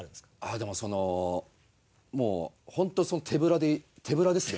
でもそのもうホント手ぶらで手ぶらですね。